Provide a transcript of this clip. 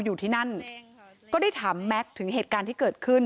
อยู่ที่นั่นก็ได้ถามแม็กซ์ถึงเหตุการณ์ที่เกิดขึ้น